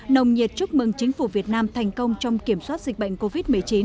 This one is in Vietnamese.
nồng nhiệt chúc mừng chính phủ việt nam thành công trong kiểm soát dịch bệnh covid một mươi chín